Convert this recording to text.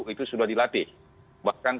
itu sudah dilatih bahkan